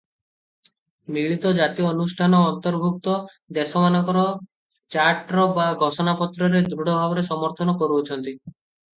ମିଳିତ ଜାତି ଅନୁଷ୍ଠାନ ଅନ୍ତର୍ଭୁକ୍ତ ଦେଶମାନଙ୍କର ଚାର୍ଟର ବା ଘୋଷଣାପତ୍ରରେ ଦୃଢ଼ ଭାବରେ ସମର୍ଥନ କରୁଅଛନ୍ତି ।